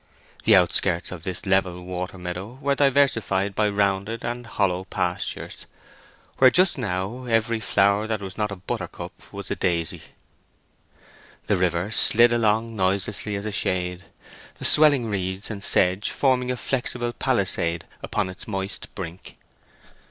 The outskirts of this level water meadow were diversified by rounded and hollow pastures, where just now every flower that was not a buttercup was a daisy. The river slid along noiselessly as a shade, the swelling reeds and sedge forming a flexible palisade upon its moist brink.